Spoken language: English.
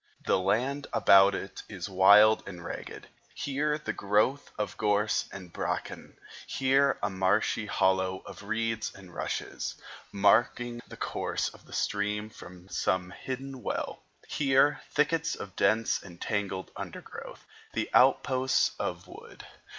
The land about it is wild and ragged; here the growth of gorse and bracken, here a marshy hollow of reeds and rushes, marking the course of the stream from some hidden well, here thickets of dense and tangled undergrowth, the outposts of the wood.